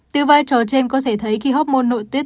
từ vai trò trên có thể thấy khi hốc môn nội tiết